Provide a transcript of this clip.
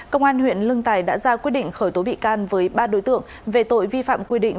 công an huyện lương tài đã ra quyết định khởi tố bị can với ba đối tượng về tội vi phạm quy định